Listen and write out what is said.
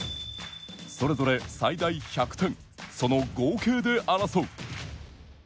それぞれ最大１００点その合計で争う。